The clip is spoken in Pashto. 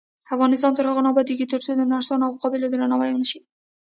افغانستان تر هغو نه ابادیږي، ترڅو د نرسانو او قابلو درناوی ونشي.